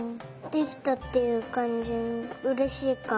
できたっていうかんじのうれしいかお。